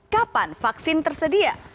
kapan vaksin tersedia